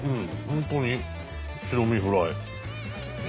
本当に白身フライ。